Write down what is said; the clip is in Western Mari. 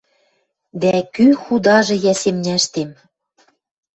Дӓ кӱ худажы йӓ семняштем?